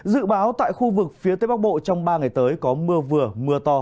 dự báo tại khu vực phía tây bắc bộ trong ba ngày tới có mưa vừa mưa to